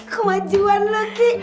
kemajuan lo ki